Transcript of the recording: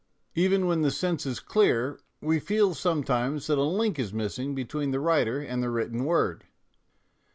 Even when the sense is clear, we feel sometimes that a link is missing between the writer and the written word.